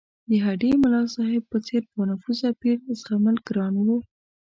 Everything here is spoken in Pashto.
د هډې ملاصاحب په څېر بانفوذه پیر زغمل ګران وو.